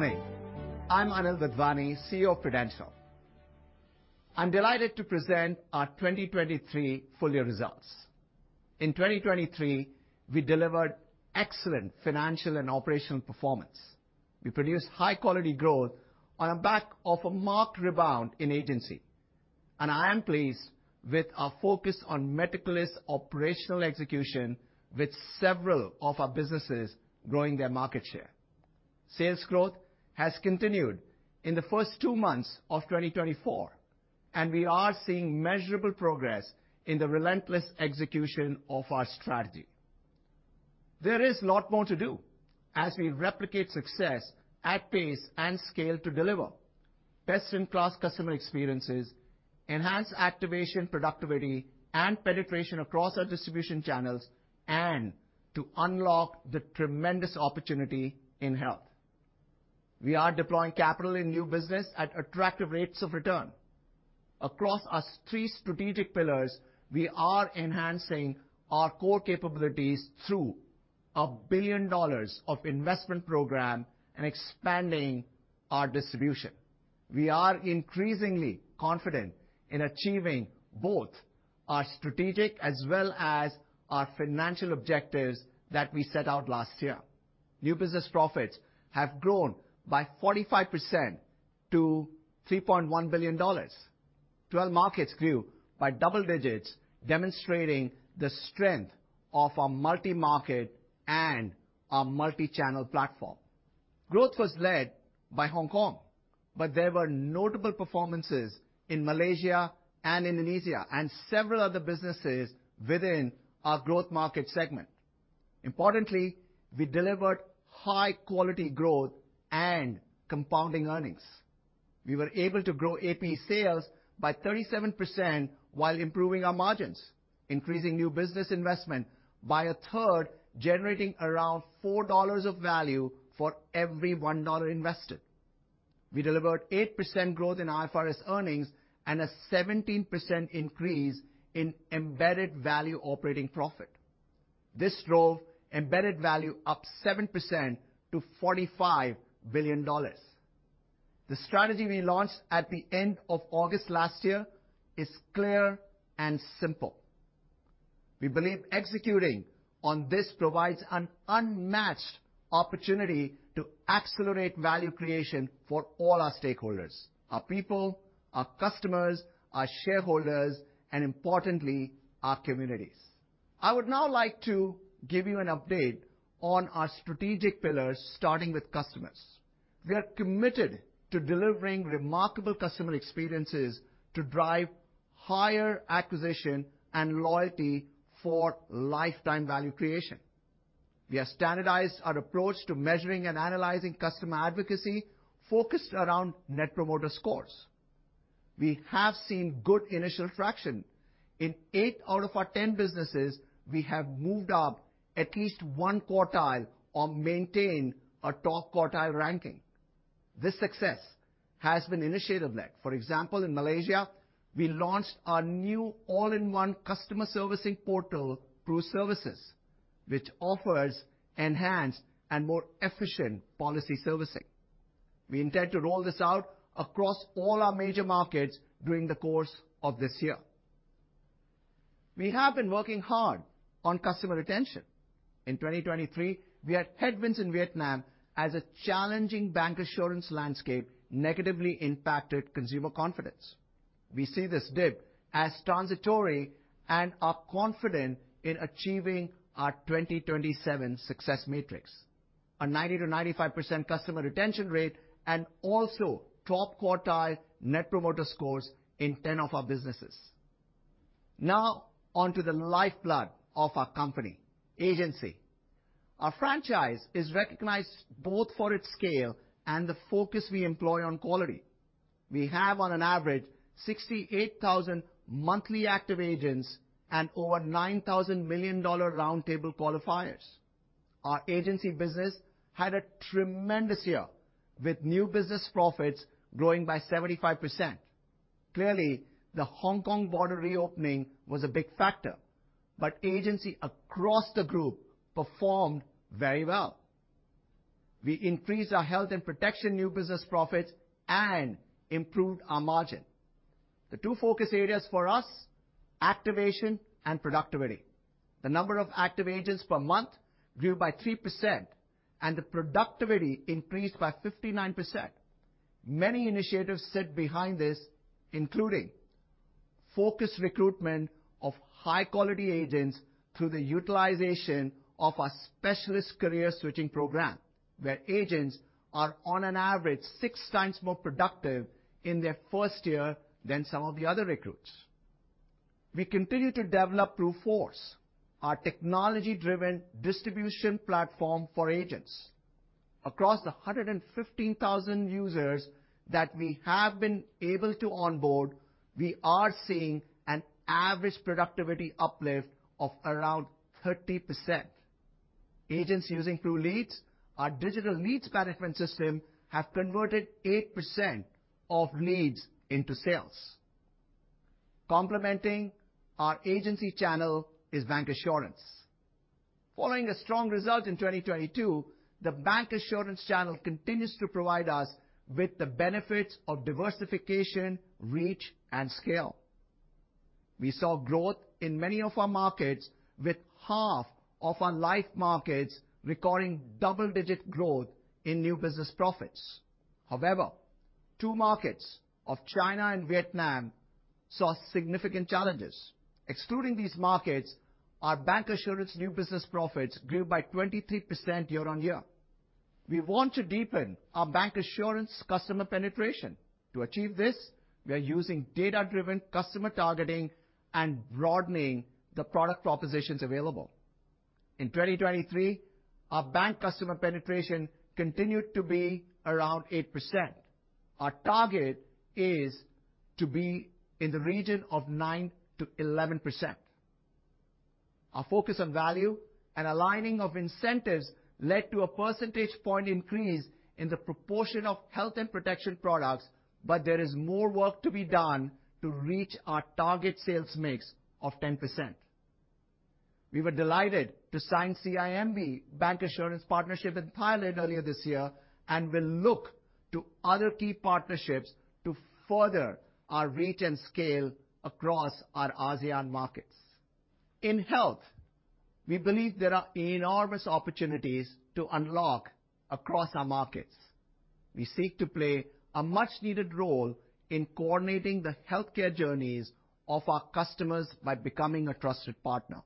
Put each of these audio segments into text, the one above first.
Hi, I'm Anil Wadhwani, CEO of Prudential. I'm delighted to present our 2023 full-year results. In 2023, we delivered excellent financial and operational performance. We produced high-quality growth on the back of a marked rebound in agency, and I am pleased with our focus on meticulous operational execution, with several of our businesses growing their market share. Sales growth has continued in the first two months of 2024, and we are seeing measurable progress in the relentless execution of our strategy. There is a lot more to do as we replicate success at pace and scale to deliver best-in-class customer experiences, enhance activation, productivity, and penetration across our distribution channels, and to unlock the tremendous opportunity in health. We are deploying capital in new business at attractive rates of return. Across our three strategic pillars, we are enhancing our core capabilities through a billion-dollar investment program and expanding our distribution. We are increasingly confident in achieving both our strategic as well as our financial objectives that we set out last year. New business profits have grown by 45% to $3.1 billion. Twelve markets grew by double digits, demonstrating the strength of our multi-market and our multi-channel platform. Growth was led by Hong Kong, but there were notable performances in Malaysia and Indonesia and several other businesses within our growth market segment. Importantly, we delivered high-quality growth and compounding earnings. We were able to grow APE sales by 37% while improving our margins, increasing new business investment by a third, generating around $4 of value for every $1 invested. We delivered 8% growth in IFRS earnings and a 17% increase in embedded value operating profit. This drove embedded value up 7% to $45 billion. The strategy we launched at the end of August last year is clear and simple. We believe executing on this provides an unmatched opportunity to accelerate value creation for all our stakeholders: our people, our customers, our shareholders, and importantly, our communities. I would now like to give you an update on our strategic pillars, starting with customers. We are committed to delivering remarkable customer experiences to drive higher acquisition and loyalty for lifetime value creation. We have standardized our approach to measuring and analyzing customer advocacy, focused around net promoter scores. We have seen good initial traction. In eight out of our 10 businesses, we have moved up at least one quartile or maintained a top quartile ranking. This success has been initiative-led. For example, in Malaysia, we launched our new all-in-one customer servicing portal, PRUServices, which offers enhanced and more efficient policy servicing. We intend to roll this out across all our major markets during the course of this year. We have been working hard on customer retention. In 2023, we had headwinds in Vietnam as a challenging Bancassurance landscape negatively impacted consumer confidence. We see this dip as transitory and are confident in achieving our 2027 success matrix, a 90%-95% customer retention rate, and also top quartile net promoter scores in 10 of our businesses. Now on to the lifeblood of our company, Agency. Our franchise is recognized both for its scale and the focus we employ on quality. We have, on average, 68,000 monthly active agents and over $9,000 million Round Table Qualifiers. Our Agency business had a tremendous year, with new business profits growing by 75%. Clearly, the Hong Kong border reopening was a big factor, but agency across the group performed very well. We increased our health and protection new business profits and improved our margin. The two focus areas for us are activation and productivity. The number of active agents per month grew by 3%, and the productivity increased by 59%. Many initiatives sit behind this, including; focused recruitment of high-quality agents through the utilization of our specialist career switching program, where agents are on average six times more productive in their first year than some of the other recruits. We continue to develop PRUForce, our technology-driven distribution platform for agents. Across the 115,000 users that we have been able to onboard, we are seeing an average productivity uplift of around 30%. Agents using PRULeads, our digital leads management system, have converted 8% of leads into sales. Complementing our agency channel is Bancassurance. Following a strong result in 2022, the Bancassurance channel continues to provide us with the benefits of diversification, reach, and scale. We saw growth in many of our markets, with half of our life markets recording double-digit growth in new business profits. However, two markets, China and Vietnam, saw significant challenges. Excluding these markets, our Bancassurance new business profits grew by 23% year-on-year. We want to deepen our Bancassurance customer penetration. To achieve this, we are using data-driven customer targeting and broadening the product propositions available. In 2023, our bank customer penetration continued to be around 8%. Our target is to be in the region of 9%-11%. Our focus on value and aligning of incentives led to a percentage point increase in the proportion of health and protection products, but there is more work to be done to reach our target sales mix of 10%. We were delighted to sign CIMB bancassurance partnership in Thailand earlier this year and will look to other key partnerships to further our reach and scale across our ASEAN markets. In health, we believe there are enormous opportunities to unlock across our markets. We seek to play a much-needed role in coordinating the healthcare journeys of our customers by becoming a trusted partner.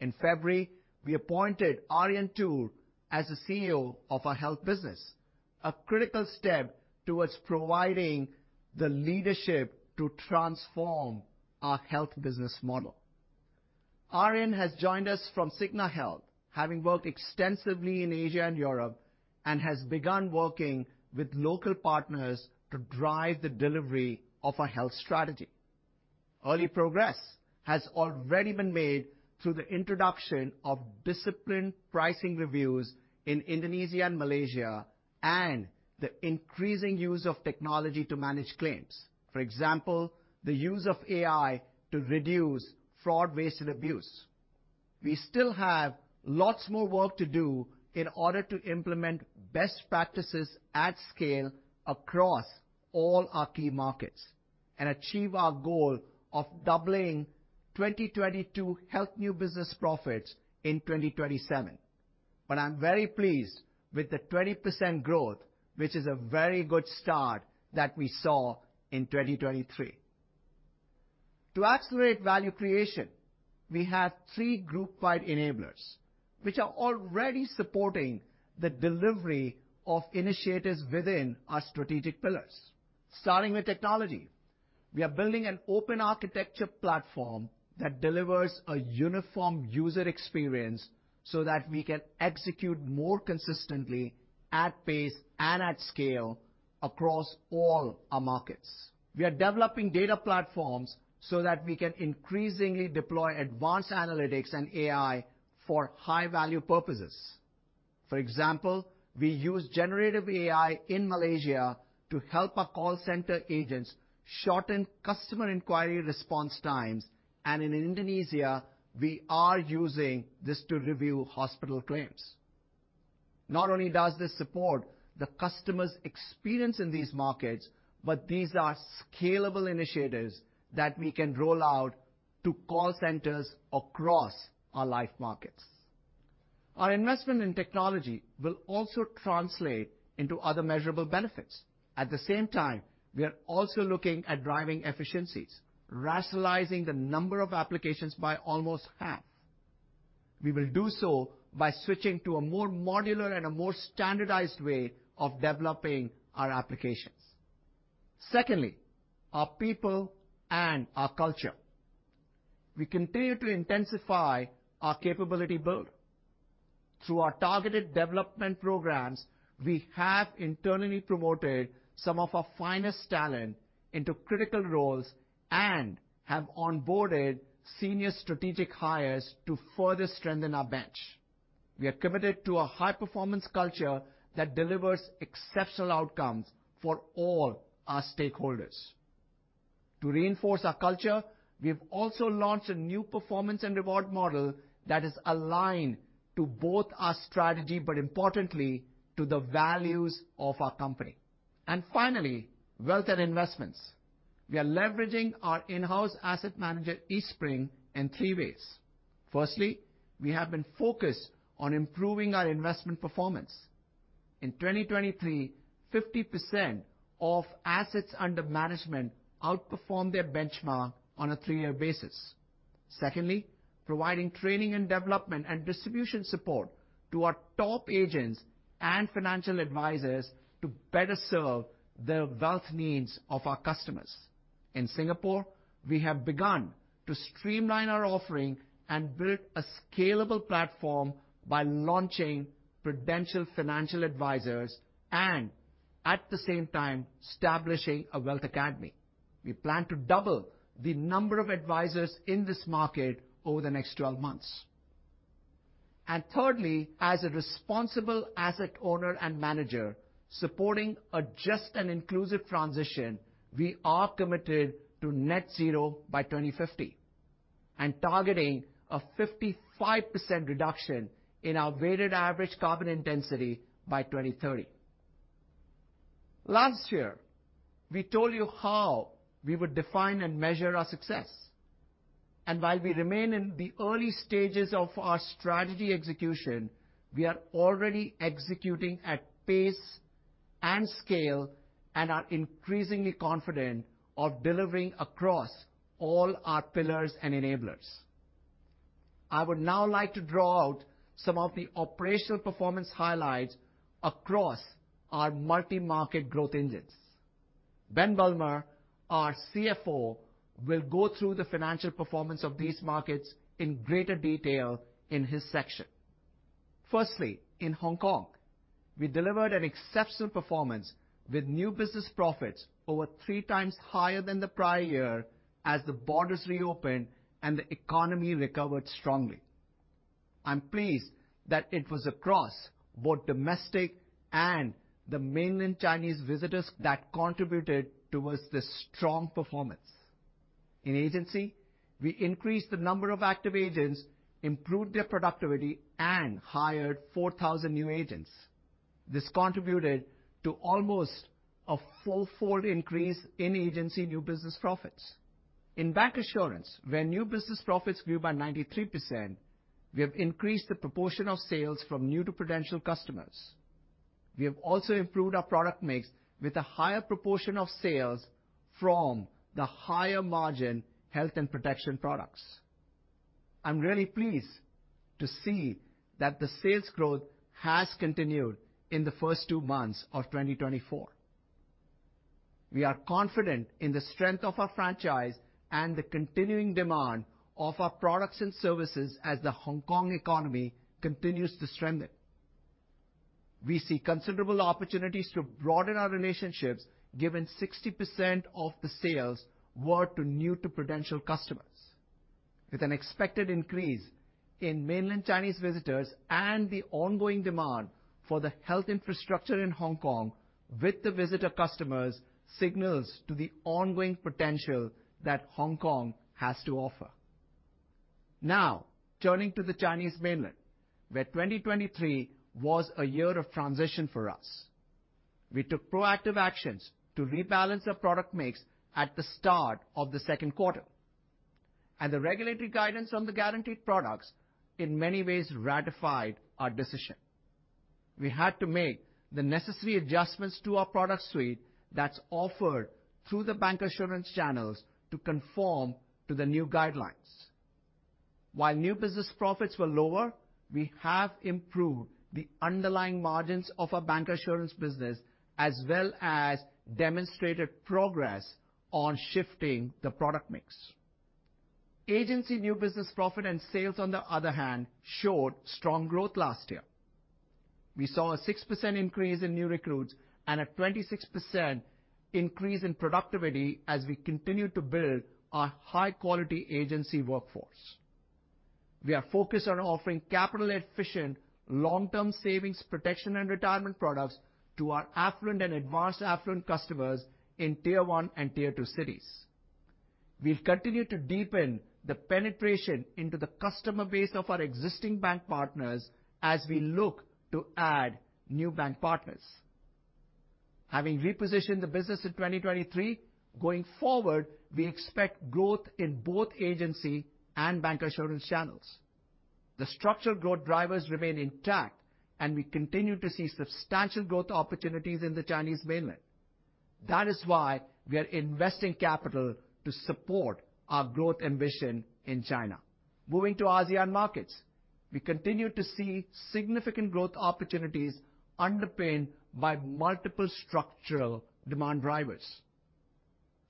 In February, we appointed Arjan Toor as the CEO of our health business, a critical step towards providing the leadership to transform our health business model. Arjan has joined us from Cigna Healthcare, having worked extensively in Asia and Europe, and has begun working with local partners to drive the delivery of our health strategy. Early progress has already been made through the introduction of disciplined pricing reviews in Indonesia and Malaysia, and the increasing use of technology to manage claims. For example, the use of AI to reduce "Fraud, Waste, and Abuse". We still have lots more work to do in order to implement best practices at scale across all our key markets and achieve our goal of doubling 2022 health new business profits in 2027. But I'm very pleased with the 20% growth, which is a very good start that we saw in 2023. To accelerate value creation, we have three group-wide enablers, which are already supporting the delivery of initiatives within our strategic pillars. Starting with technology, we are building an open architecture platform that delivers a uniform user experience so that we can execute more consistently at pace and at scale across all our markets. We are developing data platforms so that we can increasingly deploy advanced analytics and AI for high-value purposes. For example, we use generative AI in Malaysia to help our call center agents shorten customer inquiry response times, and in Indonesia, we are using this to review hospital claims. Not only does this support the customer's experience in these markets, but these are scalable initiatives that we can roll out to call centers across our life markets. Our investment in technology will also translate into other measurable benefits. At the same time, we are also looking at driving efficiencies, rationalizing the number of applications by almost half. We will do so by switching to a more modular and a more standardized way of developing our applications. Secondly, our people and our culture. We continue to intensify our capability build. Through our targeted development programs, we have internally promoted some of our finest talent into critical roles and have onboarded senior strategic hires to further strengthen our bench. We are committed to a high-performance culture that delivers exceptional outcomes for all our stakeholders. To reinforce our culture, we have also launched a new performance and reward model that is aligned to both our strategy, but importantly, to the values of our company. And finally, wealth and investments. We are leveraging our in-house asset manager, Eastspring, in three ways; Firstly, we have been focused on improving our investment performance. In 2023, 50% of assets under management outperformed their benchmark on a three-year basis. Secondly, providing training and development and distribution support to our top agents and financial advisors to better serve the wealth needs of our customers. In Singapore, we have begun to streamline our offering and build a scalable platform by launching Prudential Financial Advisors and, at the same time, establishing a Wealth Academy. We plan to double the number of advisors in this market over the next 12 months, and thirdly, as a responsible asset owner and manager supporting a just and inclusive transition, we are committed to net zero by 2050 and targeting a 55% reduction in our weighted average carbon intensity by 2030. Last year, we told you how we would define and measure our success, and while we remain in the early stages of our strategy execution, we are already executing at pace and scale and are increasingly confident of delivering across all our pillars and enablers. I would now like to draw out some of the operational performance highlights across our multi-market growth engines. Ben Bulmer, our CFO, will go through the financial performance of these markets in greater detail in his section. Firstly, in Hong Kong, we delivered an exceptional performance with new business profits over three times higher than the prior year as the borders reopened and the economy recovered strongly. I'm pleased that it was across both domestic and the mainland Chinese visitors that contributed towards this strong performance. In agency, we increased the number of active agents, improved their productivity, and hired 4,000 new agents. This contributed to almost a four-fold increase in agency new business profits. In bancassurance, where new business profits grew by 93%, we have increased the proportion of sales from new to Prudential customers. We have also improved our product mix with a higher proportion of sales from the higher margin health and protection products. I'm really pleased to see that the sales growth has continued in the first two months of 2024. We are confident in the strength of our franchise and the continuing demand of our products and services as the Hong Kong economy continues to strengthen. We see considerable opportunities to broaden our relationships given 60% of the sales were to new to Prudential customers. With an expected increase in mainland Chinese visitors and the ongoing demand for the health infrastructure in Hong Kong, with the visitor customers, signals to the ongoing potential that Hong Kong has to offer. Now, turning to the Chinese mainland, where 2023 was a year of transition for us, we took proactive actions to rebalance our product mix at the start of the Q2, and the regulatory guidance on the guaranteed products in many ways ratified our decision. We had to make the necessary adjustments to our product suite that's offered through the Bancassurance channels to conform to the new guidelines. While new business profits were lower, we have improved the underlying margins of our Bancassurance business as well as demonstrated progress on shifting the product mix. Agency new business profit and sales, on the other hand, showed strong growth last year. We saw a 6% increase in new recruits and a 26% increase in productivity as we continue to build our high-quality agency workforce. We are focused on offering capital-efficient long-term savings protection and retirement products to our affluent and advanced affluent customers in tier one and tier two cities. We'll continue to deepen the penetration into the customer base of our existing bank partners as we look to add new bank partners. Having repositioned the business in 2023, going forward, we expect growth in both agency and Bancassurance channels. The structural growth drivers remain intact, and we continue to see substantial growth opportunities in the Chinese mainland. That is why we are investing capital to support our growth ambition in China. Moving to ASEAN markets, we continue to see significant growth opportunities underpinned by multiple structural demand drivers.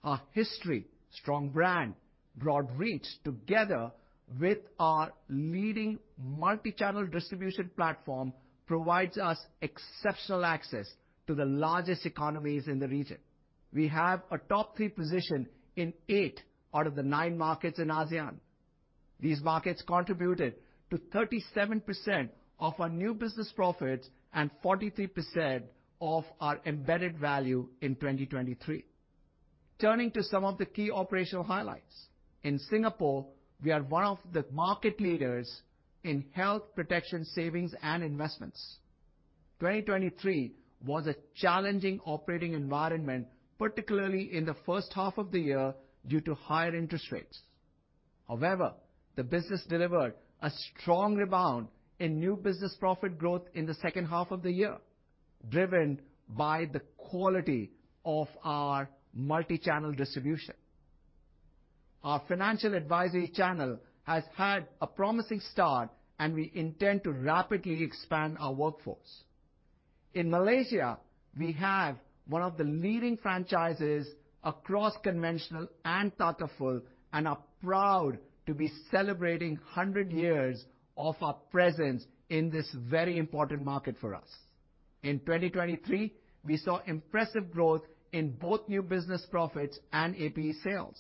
Our history, strong brand, broad reach, together with our leading multi-channel distribution platform, provides us exceptional access to the largest economies in the region. We have a top three position in eight out of the nine markets in ASEAN. These markets contributed to 37% of our new business profits and 43% of our embedded value in 2023. Turning to some of the key operational highlights. In Singapore, we are one of the market leaders in health, protection, savings, and investments. 2023 was a challenging operating environment, particularly in the first half of the year due to higher interest rates. However, the business delivered a strong rebound in new business profit growth in the second half of the year, driven by the quality of our multi-channel distribution. Our financial advisory channel has had a promising start, and we intend to rapidly expand our workforce. In Malaysia, we have one of the leading franchises across conventional and Takaful, and are proud to be celebrating 100 years of our presence in this very important market for us. In 2023, we saw impressive growth in both new business profits and APE sales.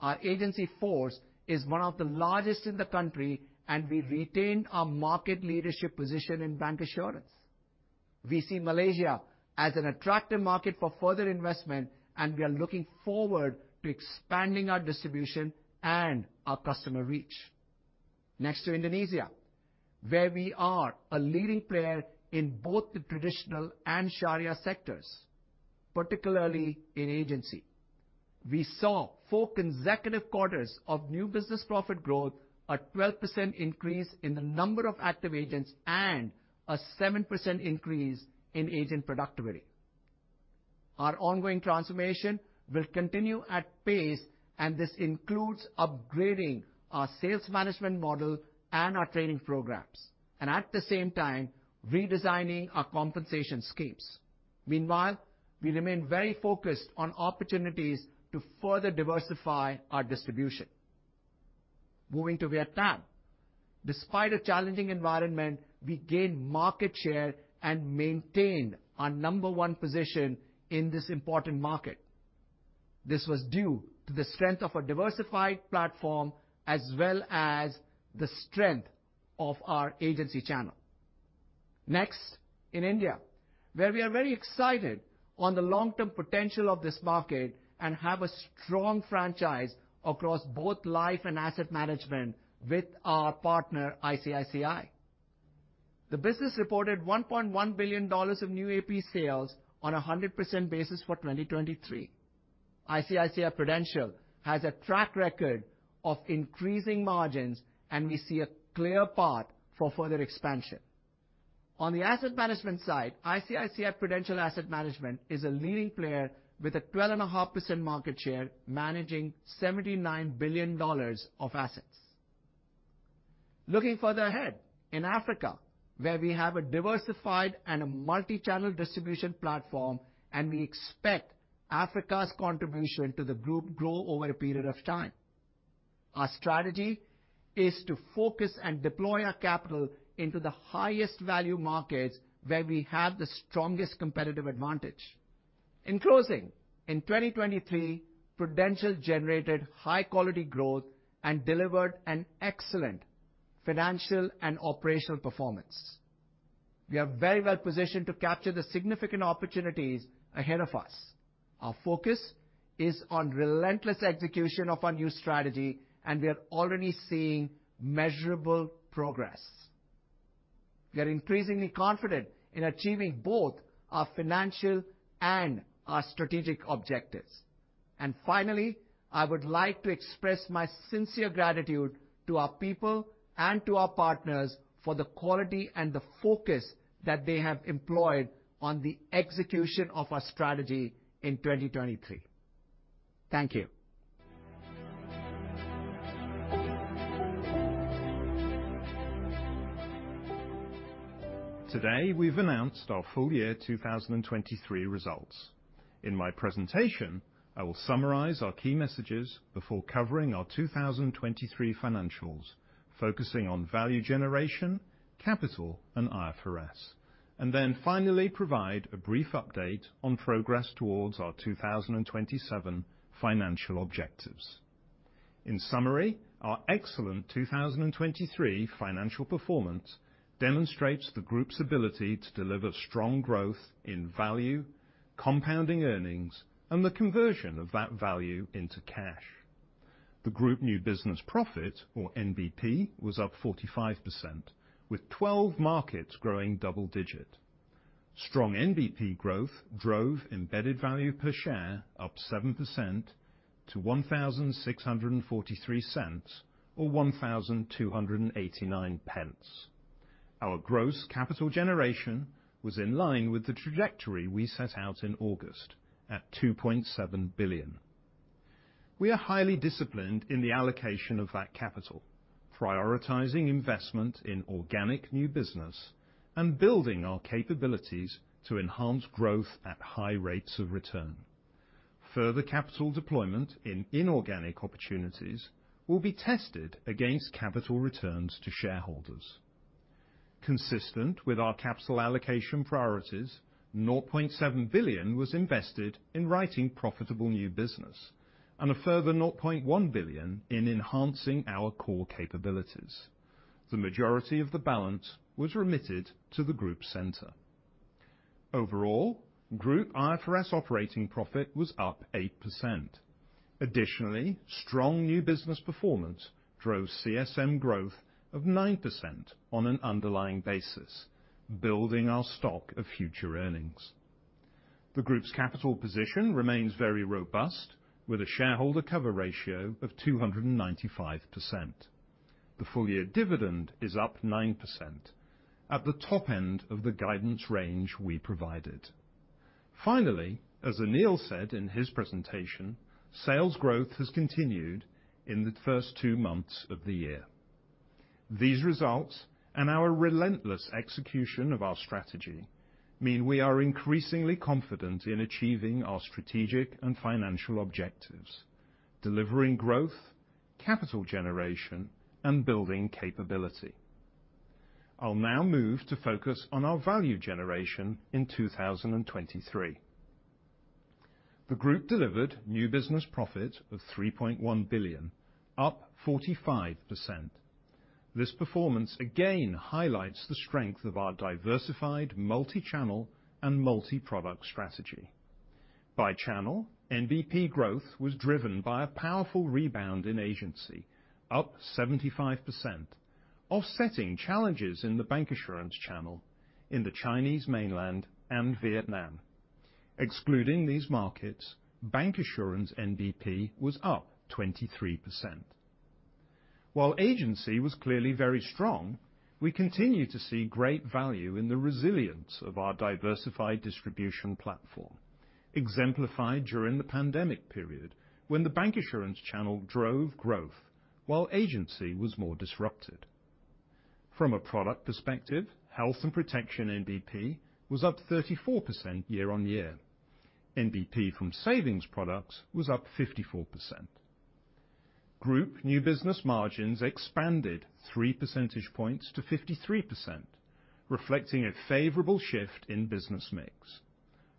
Our agency force is one of the largest in the country, and we retained our market leadership position in bancassurance. We see Malaysia as an attractive market for further investment, and we are looking forward to expanding our distribution and our customer reach. Next to Indonesia, where we are a leading player in both the traditional and Sharia sectors, particularly in agency. We saw four consecutive quarters of new business profit growth, a 12% increase in the number of active agents, and a 7% increase in agent productivity. Our ongoing transformation will continue at pace, and this includes upgrading our sales management model and our training programs, and at the same time, redesigning our compensation schemes. Meanwhile, we remain very focused on opportunities to further diversify our distribution. Moving to Vietnam. Despite a challenging environment, we gained market share and maintained our number one position in this important market. This was due to the strength of a diversified platform as well as the strength of our agency channel. Next, in India, where we are very excited on the long-term potential of this market and have a strong franchise across both life and asset management with our partner, ICICI. The business reported $1.1 billion of new APE sales on a 100% basis for 2023. ICICI Prudential has a track record of increasing margins, and we see a clear path for further expansion. On the asset management side, ICICI Prudential Asset Management is a leading player with a 12.5% market share, managing $79 billion of assets. Looking further ahead in Africa, where we have a diversified and a multi-channel distribution platform, and we expect Africa's contribution to the group to grow over a period of time. Our strategy is to focus and deploy our capital into the highest value markets where we have the strongest competitive advantage. In closing, In 2023, Prudential generated high-quality growth and delivered an excellent financial and operational performance. We are very well positioned to capture the significant opportunities ahead of us. Our focus is on relentless execution of our new strategy, and we are already seeing measurable progress. We are increasingly confident in achieving both our financial and our strategic objectives. And finally, I would like to express my sincere gratitude to our people and to our partners for the quality and the focus that they have employed on the execution of our strategy in 2023. Thank you. Today, we've announced our full year 2023 results. In my presentation, I will summarize our key messages before covering our 2023 financials, focusing on value generation, capital, and IFRS, and then finally provide a brief update on progress towards our 2027 financial objectives. In summary, our excellent 2023 financial performance demonstrates the group's ability to deliver strong growth in value, compounding earnings, and the conversion of that value into cash. The group new business profit, or NBP, was up 45%, with 12 markets growing double-digit. Strong NBP growth drove embedded value per share up 7% to $16.43 or 12.89. Our gross capital generation was in line with the trajectory we set out in August at $2.7 billion. We are highly disciplined in the allocation of that capital, prioritizing investment in organic new business and building our capabilities to enhance growth at high rates of return. Further capital deployment in inorganic opportunities will be tested against capital returns to shareholders. Consistent with our capital allocation priorities, $0.7 billion was invested in writing profitable new business and a further $0.1 billion in enhancing our core capabilities. The majority of the balance was remitted to the group center. Overall, Group IFRS operating profit was up 8%. Additionally, strong new business performance drove CSM growth of 9% on an underlying basis, building our stock of future earnings. The Group's capital position remains very robust, with a shareholder cover ratio of 295%. The full year dividend is up 9% at the top end of the guidance range we provided. Finally, as Anil said in his presentation, sales growth has continued in the first two months of the year. These results and our relentless execution of our strategy mean we are increasingly confident in achieving our strategic and financial objectives, delivering growth, capital generation, and building capability. I'll now move to focus on our value generation in 2023. The group delivered new business profit of $3.1 billion, up 45%. This performance again highlights the strength of our diversified multi-channel and multi-product strategy. By channel, NBP growth was driven by a powerful rebound in agency, up 75%, offsetting challenges in the Bancassurance channel in the Chinese mainland and Vietnam. Excluding these markets, Bancassurance NBP was up 23%. While agency was clearly very strong, we continue to see great value in the resilience of our diversified distribution platform, exemplified during the pandemic period when the Bancassurance channel drove growth while agency was more disrupted. From a product perspective, health and protection NBP was up 34% year-on-year. NBP from savings products was up 54%. Group new business margins expanded 3% points to 53%, reflecting a favourable shift in business mix.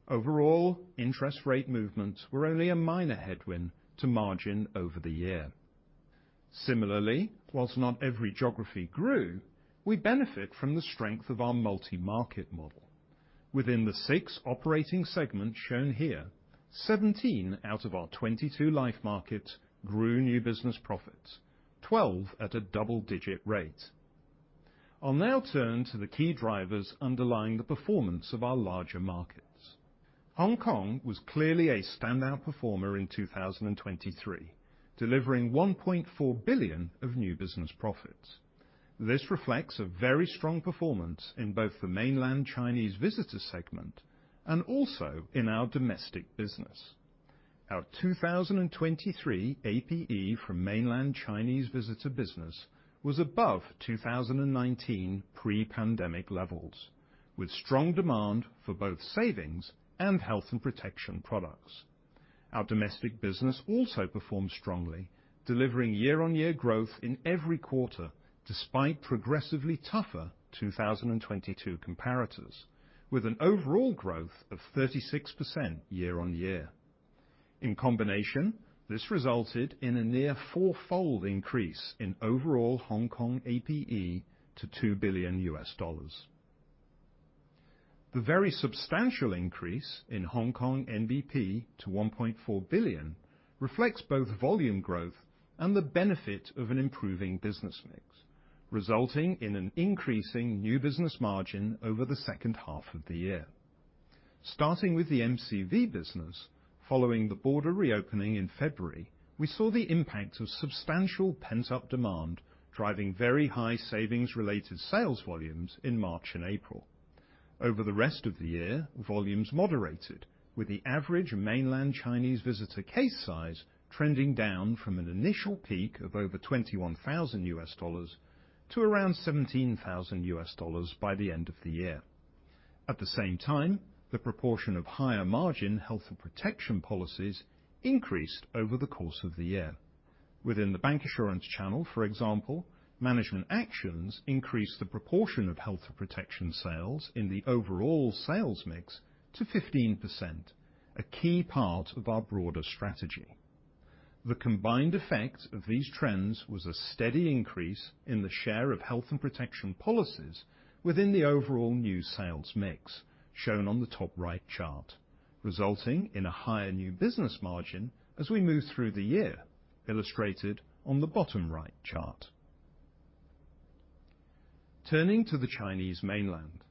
Overall, interest rate movements were only a minor headwind to margin over the year. Similarly, while not every geography grew, we benefit from the strength of our multi-market model. Within the 6 operating segments shown here, 17 out of our 22 life markets grew new business profits, 12 at a double-digit rate. I'll now turn to the key drivers underlying the performance of our larger markets. Hong Kong was clearly a standout performer in 2023, delivering 1.4 billion of new business profits. This reflects a very strong performance in both the mainland Chinese visitor segment and also in our domestic business. Our 2023 APE from mainland Chinese visitor business was above 2019 pre-pandemic levels, with strong demand for both savings and health and protection products. Our domestic business also performed strongly, delivering year-on-year growth in every quarter despite progressively tougher 2022 comparators, with an overall growth of 36% year-on-year. In combination, this resulted in a near four-fold increase in overall Hong Kong APE to $2 billion. The very substantial increase in Hong Kong NBP to $1.4 billion reflects both volume growth and the benefit of an improving business mix, resulting in an increasing new business margin over the second half of the year. Starting with the MCV business, following the border reopening in February, we saw the impact of substantial pent-up demand driving very high savings-related sales volumes in March and April. Over the rest of the year, volumes moderated, with the average mainland Chinese visitor case size trending down from an initial peak of over $21,000 to around $17,000 by the end of the year. At the same time, the proportion of higher margin health and protection policies increased over the course of the year. Within the Bancassurance channel, for example, management actions increased the proportion of health and protection sales in the overall sales mix to 15%, a key part of our broader strategy. The combined effect of these trends was a steady increase in the share of health and protection policies within the overall new sales mix, shown on the top right chart, resulting in a higher new business margin as we move through the year, illustrated on the bottom right chart. Turning to the Chinese mainland,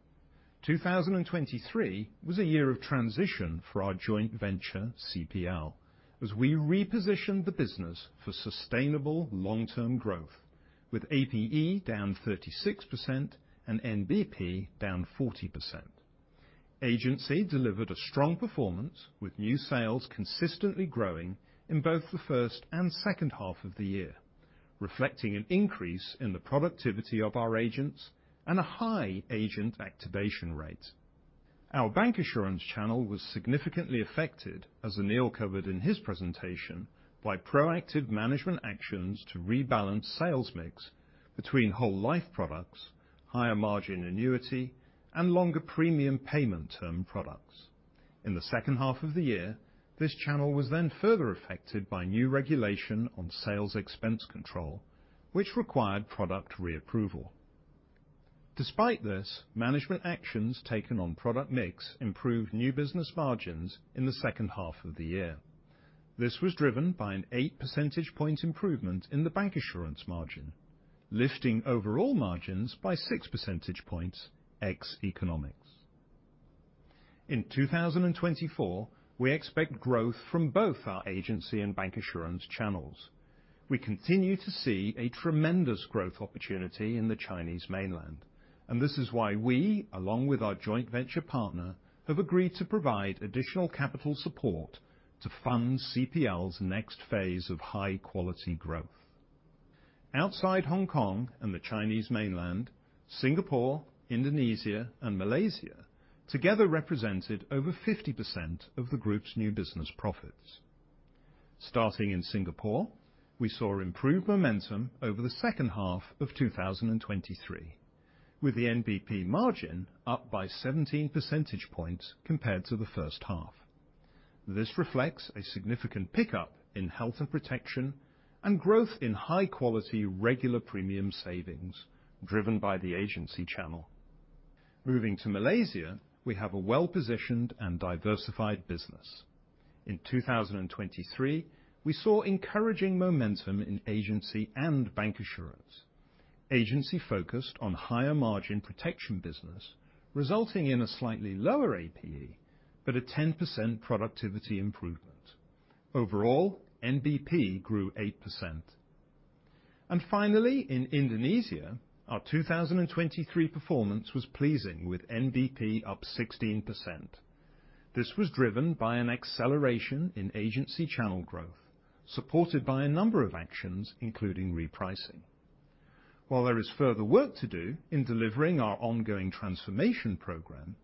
2023 was a year of transition for our joint venture, CPL, as we repositioned the business for sustainable long-term growth, with APE down 36% and NBP down 40%. Agency delivered a strong performance, with new sales consistently growing in both the first and second half of the year, reflecting an increase in the productivity of our agents and a high agent activation rate. Our Bancassurance channel was significantly affected, as Anil covered in his presentation, by proactive management actions to rebalance sales mix between whole life products, higher margin annuity, and longer premium payment term products. In the second half of the year, this channel was then further affected by new regulation on sales expense control, which required product reapproval. Despite this, management actions taken on product mix improved new business margins in the second half of the year. This was driven by an 8% point improvement in the Bancassurance margin, lifting overall margins by 6% points, ex-economics. In 2024, we expect growth from both our agency and Bancassurance channels. We continue to see a tremendous growth opportunity in the Chinese mainland, and this is why we, along with our joint venture partner, have agreed to provide additional capital support to fund CPL's next phase of high-quality growth. Outside Hong Kong and the Chinese mainland, Singapore, Indonesia, and Malaysia together represented over 50% of the group's new business profits. Starting in Singapore, we saw improved momentum over the second half of 2023, with the NBP margin up by 17% points compared to the first half. This reflects a significant pickup in health and protection and growth in high-quality regular premium savings driven by the agency channel. Moving to Malaysia, we have a well-positioned and diversified business. In 2023, we saw encouraging momentum in agency and Bancassurance. Agency focused on higher margin protection business, resulting in a slightly lower APE, but a 10% productivity improvement. Overall, NBP grew 8%. Finally, in Indonesia, our 2023 performance was pleasing, with NBP up 16%. This was driven by an acceleration in agency channel growth, supported by a number of actions, including repricing. While there is further work to do in delivering our ongoing transformation program,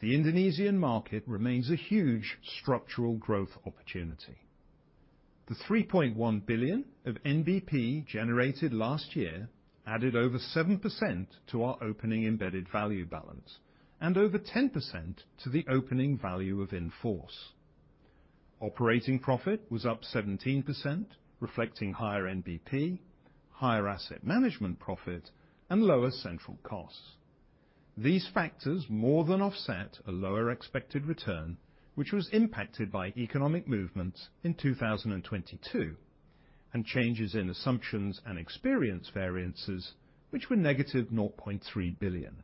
the Indonesian market remains a huge structural growth opportunity. The $3.1 billion of NBP generated last year added over 7% to our opening embedded value balance and over 10% to the opening value of in-force. Operating profit was up 17%, reflecting higher NBP, higher asset management profit, and lower central costs. These factors more than offset a lower expected return, which was impacted by economic movements in 2022 and changes in assumptions and experience variances, which were negative $0.3 billion.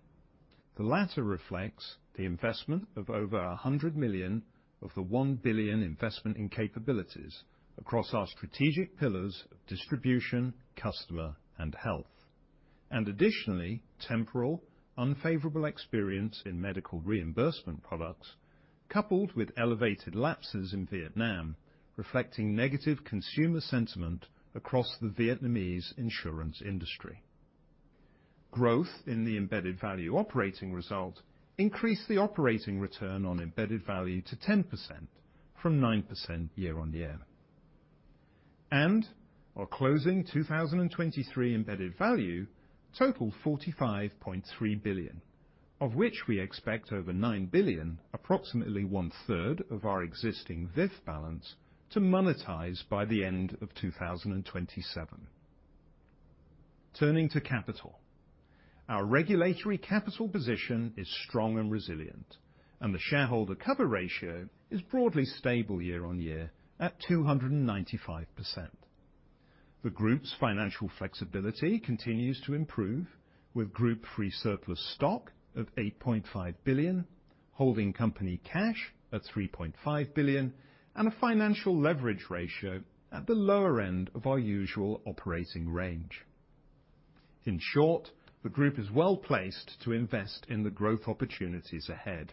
The latter reflects the investment of over $100 million of the $1 billion investment in capabilities across our strategic pillars of distribution, customer, and health, and additionally temporal unfavourable experience in medical reimbursement products, coupled with elevated lapses in Vietnam, reflecting negative consumer sentiment across the Vietnamese insurance industry. Growth in the embedded value operating result increased the operating return on embedded value to 10% from 9% year-on-year, and our closing 2023 embedded value totalled $45.3 billion, of which we expect over $9 billion, approximately one-third of our existing VIF balance, to monetize by the end of 2027. Turning to capital, our regulatory capital position is strong and resilient, and the shareholder cover ratio is broadly stable year on year at 295%. The Group's financial flexibility continues to improve, with Group free surplus stock of $8.5 billion, holding company cash at $3.5 billion, and a financial leverage ratio at the lower end of our usual operating range. In short, the group is well placed to invest in the growth opportunities ahead.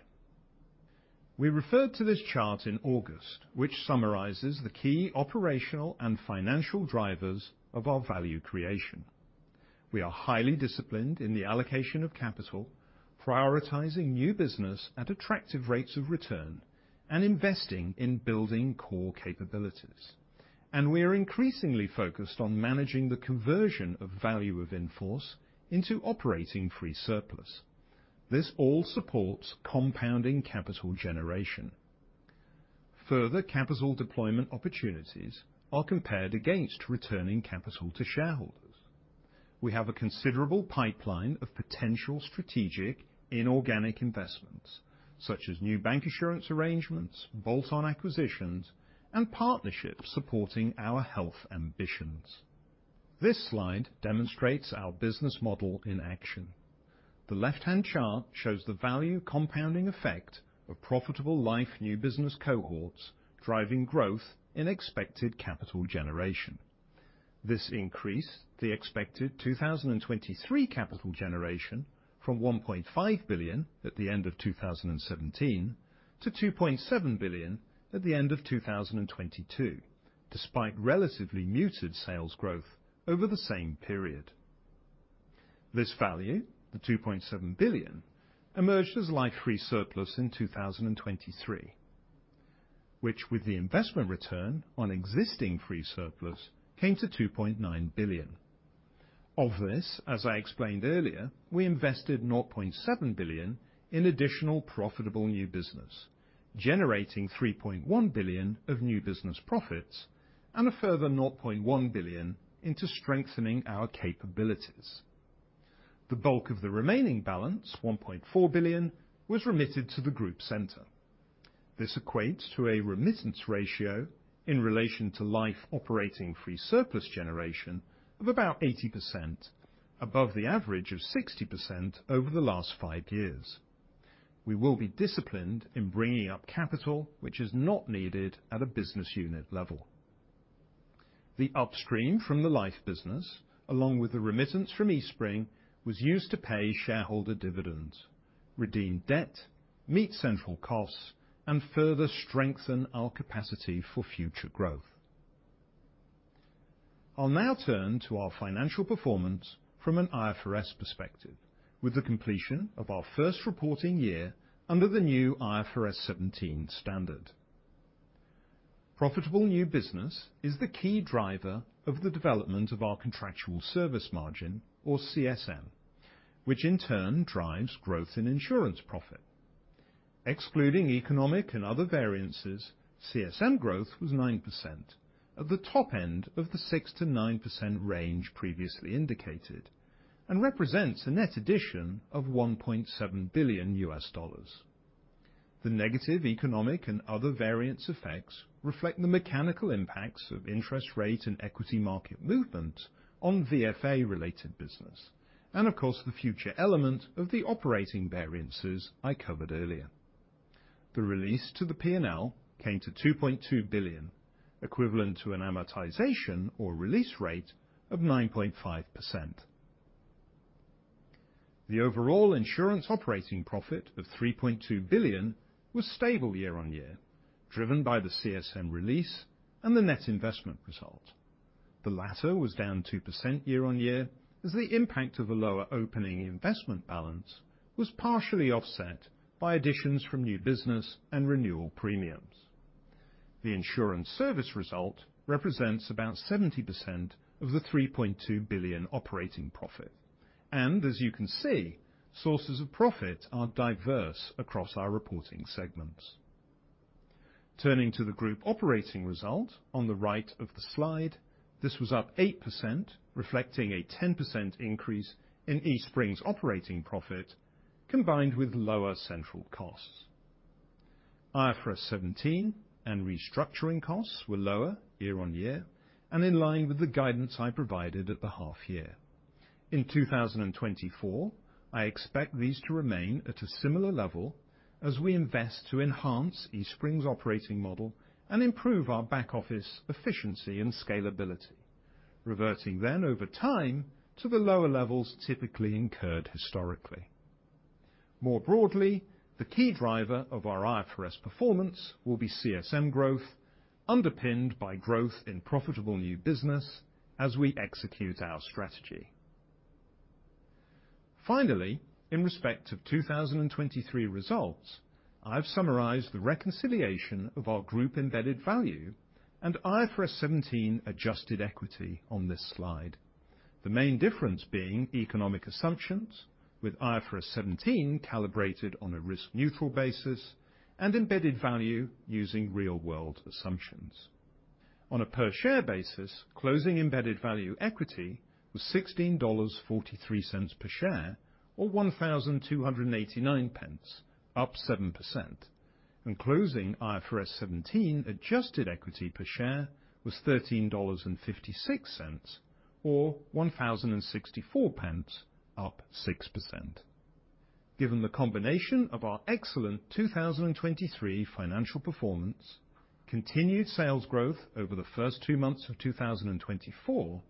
We referred to this chart in August, which summarizes the key operational and financial drivers of our value creation. We are highly disciplined in the allocation of capital, prioritizing new business at attractive rates of return and investing in building core capabilities. We are increasingly focused on managing the conversion of value of in force into operating free surplus. This all supports compounding capital generation. Further capital deployment opportunities are compared against returning capital to shareholders. We have a considerable pipeline of potential strategic inorganic investments, such as new Bancassurance arrangements, bolt-on acquisitions, and partnerships supporting our health ambitions. This slide demonstrates our business model in action. The left-hand chart shows the value compounding effect of profitable life new business cohorts driving growth in expected capital generation. This increased the expected 2023 capital generation from $1.5 billion at the end of 2017 to $2.7 billion at the end of 2022, despite relatively muted sales growth over the same period. This value, the $2.7 billion, emerged as life free surplus in 2023, which, with the investment return on existing free surplus, came to $2.9 billion. Of this, as I explained earlier, we invested $0.7 billion in additional profitable new business, generating $3.1 billion of new business profits and a further $0.1 billion into strengthening our capabilities. The bulk of the remaining balance, $1.4 billion, was remitted to the group center. This equates to a remittance ratio in relation to life operating free surplus generation of about 80%, above the average of 60% over the last five years. We will be disciplined in bringing up capital, which is not needed at a business unit level. The upstream from the life business, along with the remittance from Eastspring, was used to pay shareholder dividends, redeem debt, meet central costs, and further strengthen our capacity for future growth. I'll now turn to our financial performance from an IFRS perspective, with the completion of our first reporting year under the new IFRS17 standard. Profitable new business is the key driver of the development of our contractual service margin, or CSM, which in turn drives growth in insurance profit. Excluding economic and other variances, CSM growth was 9% at the top end of the 6%-9% range previously indicated and represents a net addition of $1.7 billion. The negative economic and other variance effects reflect the mechanical impacts of interest rate and equity market movements on VFA-related business, and of course the future element of the operating variances I covered earlier. The release to the P&L came to $2.2 billion, equivalent to an amortization or release rate of 9.5%. The overall insurance operating profit of $3.2 billion was stable year-on-year, driven by the CSM release and the net investment result. The latter was down 2% year on year as the impact of a lower opening investment balance was partially offset by additions from new business and renewal premiums. The insurance service result represents about 70% of the $3.2 billion operating profit. As you can see, sources of profit are diverse across our reporting segments. Turning to the group operating result on the right of the slide, this was up 8%, reflecting a 10% increase in Eastspring's operating profit, combined with lower central costs. IFRS17 and restructuring costs were lower year-on-year and in line with the guidance I provided at the half year. In 2024, I expect these to remain at a similar level as we invest to enhance Eastspring's operating model and improve our back office efficiency and scalability, reverting then over time to the lower levels typically incurred historically. More broadly, the key driver of our IFRS performance will be CSM growth, underpinned by growth in profitable new business as we execute our strategy. Finally, in respect of 2023 results, I've summarized the reconciliation of our group embedded value and IFRS17 adjusted equity on this slide, the main difference being economic assumptions with IFRS 17 calibrated on a risk-neutral basis and embedded value using real-world assumptions. On a per-share basis, closing embedded value equity was $16.43 per share or 12.89, up 7%, and closing IFRS 17 adjusted equity per share was $13.56 or GBP 10.64, up 6%. Given the combination of our excellent 2023 financial performance, continued sales growth over the first two months of 2024,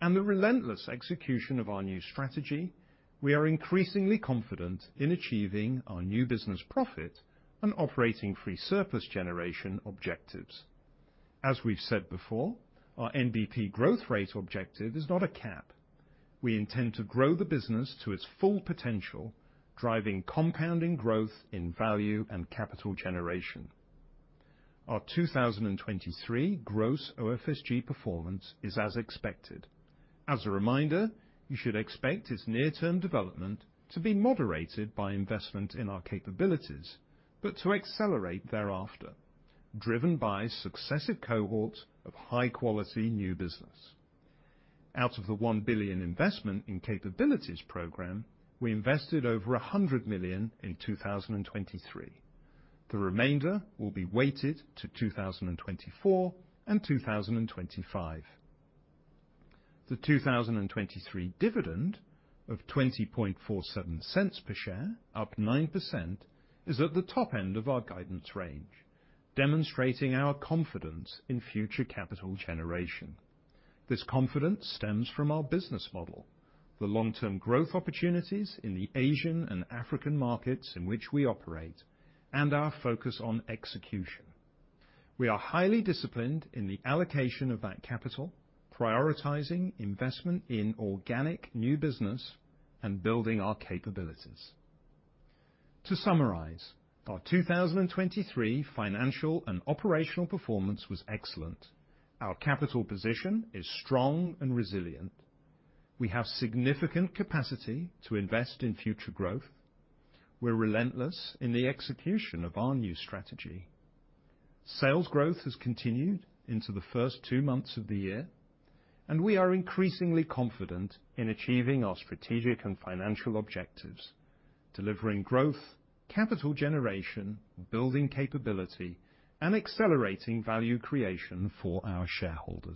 and the relentless execution of our new strategy, we are increasingly confident in achieving our new business profit and operating free surplus generation objectives. As we've said before, our NBP growth rate objective is not a cap. We intend to grow the business to its full potential, driving compounding growth in value and capital generation. Our 2023 gross OFSG performance is as expected. As a reminder, you should expect its near-term development to be moderated by investment in our capabilities, but to accelerate thereafter, driven by successive cohorts of high-quality new business. Out of the $1 billion investment in capabilities program, we invested over $100 million in 2023. The remainder will be weighted to 2024 and 2025. The 2023 dividend of $0.2047 per share, up 9%, is at the top end of our guidance range, demonstrating our confidence in future capital generation. This confidence stems from our business model, the long-term growth opportunities in the Asian and African markets in which we operate, and our focus on execution. We are highly disciplined in the allocation of that capital, prioritizing investment in organic new business and building our capabilities. To summarize, our 2023 financial and operational performance was excellent. Our capital position is strong and resilient. We have significant capacity to invest in future growth. We're relentless in the execution of our new strategy. Sales growth has continued into the first two months of the year, and we are increasingly confident in achieving our strategic and financial objectives, delivering growth, capital generation, building capability, and accelerating value creation for our shareholders.